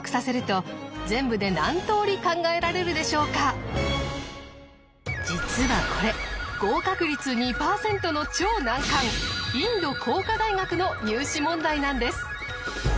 こちらは実はこれ合格率２％の超難関インド工科大学の入試問題なんです！